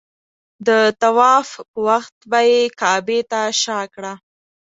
د طواف په وخت به یې کعبې ته شا کړه.